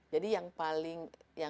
jadi yang paling